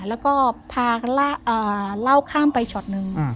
แล้วก็พาเหล้าข้ามไปช็อตหนึ่ง